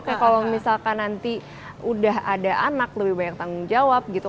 oke kalau misalkan nanti udah ada anak lebih banyak tanggung jawab gitu